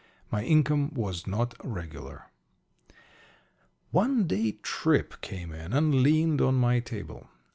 My income was not regular. One day Tripp came in and leaned on my table.